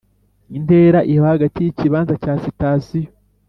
Intera iba hagati y ikibanza cya sitasiyo